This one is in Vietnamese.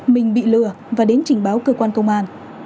mình bị lừa và đến trình báo cơ quan công an